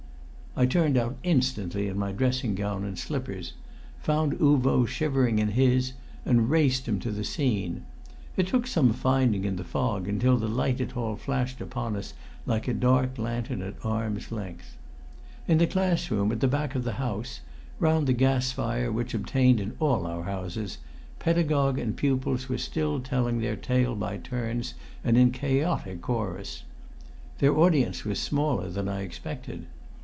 I turned out instantly in my dressing gown and slippers, found Uvo shivering in his, and raced him to the scene. It took some finding in the fog, until the lighted hall flashed upon us like a dark lantern at arm's length. In the class room at the back of the house, round the gas fire which obtained in all our houses, pedagogue and pupils were still telling their tale by turns and in chaotic chorus. Their audience was smaller than I expected.